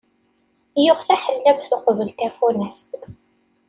Yuɣ taḥellabt uqbel tafunast.